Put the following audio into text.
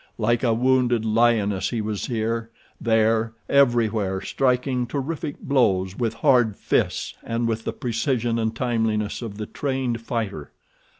Like a wounded lioness he was here, there, everywhere, striking terrific blows with hard fists and with the precision and timeliness of the trained fighter.